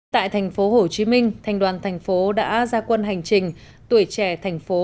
tại thành phố hồ chí minh thành đoàn thành phố đã ra quân hành trình tuổi trẻ thành phố